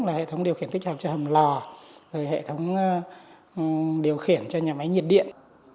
là hệ thống điều khiển tích hợp cho hầm lò rồi hệ thống điều khiển cho nhà máy nhiệt điện